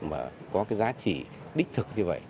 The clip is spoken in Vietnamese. mà có cái giá trị đích thực như vậy